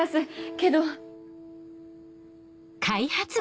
けど。